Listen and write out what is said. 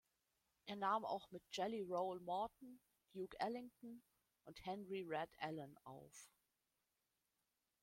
Er nahm auch mit Jelly Roll Morton, Duke Ellington und Henry Red Allen auf.